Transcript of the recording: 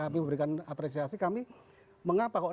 kami memberikan apresiasi kami mengapa kok